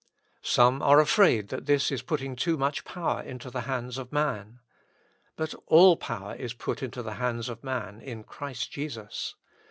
Some are afraid that this is putting too much power into the hands of man. But all power is put into the hands of man in Christ Jesus.